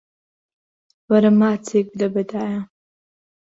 وەرە ماچێک بدە بە دایە.